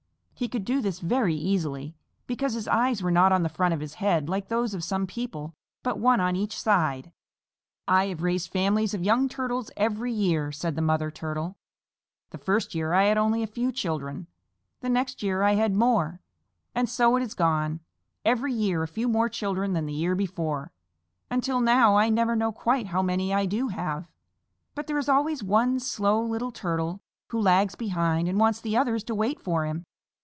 He could do this very easily, because his eyes were not on the front of his head like those of some people, but one on each side. "I have raised families of young Turtles every year," said the Mother Turtle. "The first year I had only a few children, the next year I had more, and so it has gone every year a few more children than the year before until now I never know quite how many I do have. But there is always one Slow Little Turtle who lags behind and wants the others to wait for him.